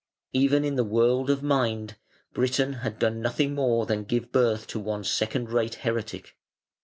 Even in the world of mind Britain had done nothing more than give birth to one second rate heretic.